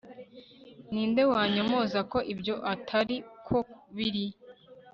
ni nde wanyomoza ko ibyo atari ko biri